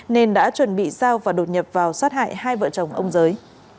nên đã chuẩn bị giao và đột nhập vào xót hại hai vợ chồng ông giới